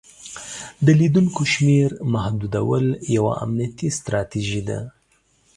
د لیدونکو شمیر محدودول یوه امنیتي ستراتیژي ده.